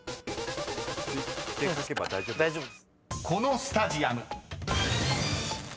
［このスタジアム］